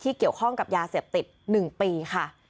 เกี่ยวข้องกับยาเสพติด๑ปีค่ะ